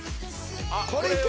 「これは」